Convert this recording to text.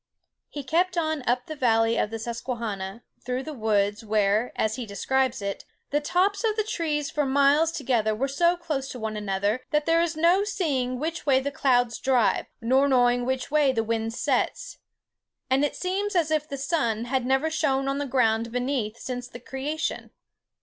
He kept on up the valley of the Susquehanna, through woods, where, as he describes it, "the tops of the trees for miles together were so close to one another that there is no seeing which way the clouds drive, nor knowing which way the wind sets; and it seems as if the sun had never shone on the ground beneath since the creation."